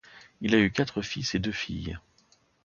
Il a eu quatre fils et deux filles.